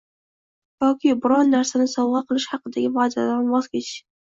yoki biron narsani sovg‘a qilish haqidagi vaʼdadan voz kechish